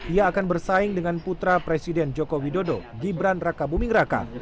ia akan bersaing dengan putra presiden joko widodo gibran raka buming raka